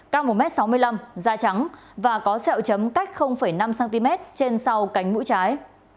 cao một m sáu mươi năm da trắng và có sẹo chấm cách năm cm trên sau cánh mũi trái